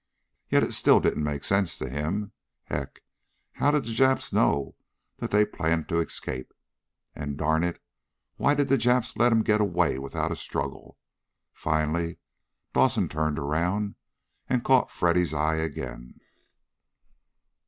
Yet it still didn't make sense to him. Heck! How did the Japs know that they planned to escape? And darn it, why did the Japs let them get away without a struggle? Finally Dawson turned around and caught Freddy's eye again.